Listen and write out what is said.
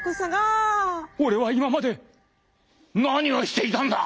俺は今まで何をしていたんだ」。